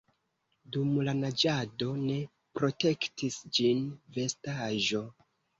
Dum la naĝado ne protektis ĝin vestaĵo.